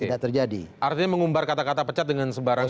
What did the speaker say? artinya mengumbar kata kata pecat dengan sebarang hal